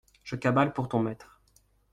Je cabale pour ton maître.